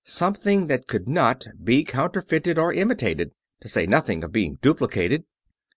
something that could not be counterfeited or imitated, to say nothing of being duplicated